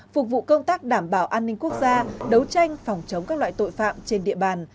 phục vụ công tác đảm bảo an ninh quốc gia đấu tranh phòng chống các loại tội phạm trên địa bàn